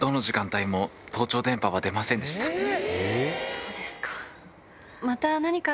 そうですか。